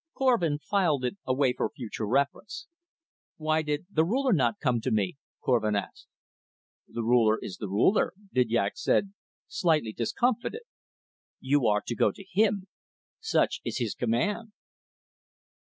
Korvin filed it away for future reference. "Why did the Ruler not come to me?" Korvin asked. "The Ruler is the Ruler," Didyak said, slightly discomfited. "You are to go to him. Such is his command."